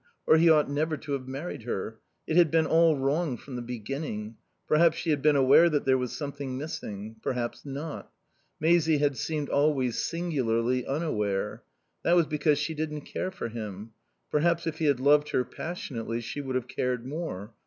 Or he ought never to have married her. It had been all wrong from the beginning. Perhaps she had been aware that there was something missing. Perhaps not. Maisie had seemed always singularly unaware. That was because she didn't care for him. Perhaps, if he had loved her passionately she would have cared more.